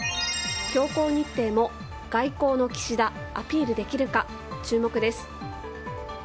強行日程も外交のキシダアピールできるか、注目です。